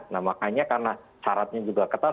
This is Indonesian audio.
nah makanya karena syaratnya juga ketat